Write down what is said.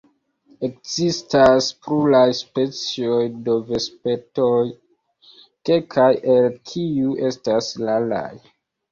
Ekzistas pluraj specioj de vespertoj, kelkaj el kiuj estas raraj.